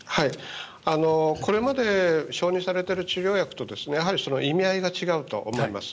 これまで承認されている治療薬と意味合いが違うと思います。